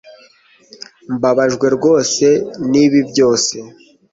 Mbabajwe rwose nibi byose